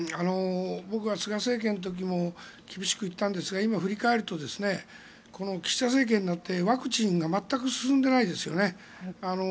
僕は菅政権の時も厳しく言ったんですが今、振り返るとこの岸田政権になってワクチンが全く進んでないですよね。